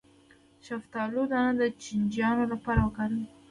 د شفتالو دانه د چینجیانو لپاره وکاروئ